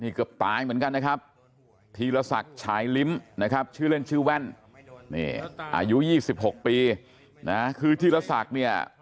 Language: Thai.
นี่กับตาอย่างเหมือนกันนะครับ